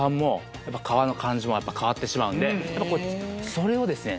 それをですね